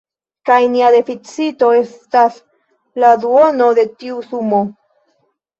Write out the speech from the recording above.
Kaj nia deficito estas la duono de tiu sumo.